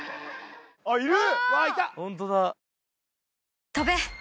あっいる！